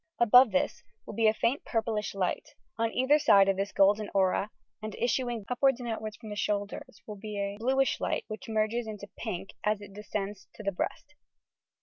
Above this will be a faint purplish light. On either side of this golden aura, and issuing outwards and upwards from the shoulders, will be a bluish light, which merges into pink, as it descends to the breast.